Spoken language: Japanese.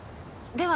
では。